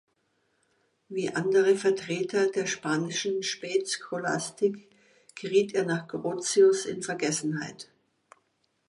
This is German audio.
Wie andere Vertreter der Spanischen Spätscholastik geriet er nach Grotius in Vergessenheit.